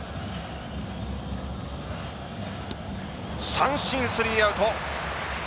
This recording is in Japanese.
三振スリーアウト。